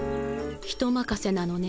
人まかせなのね